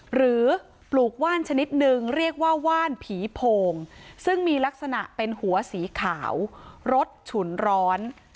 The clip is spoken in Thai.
ปลูกว่านชนิดนึงเรียกว่าว่านผีโพงซึ่งมีลักษณะเป็นหัวสีขาวรสฉุนร้อน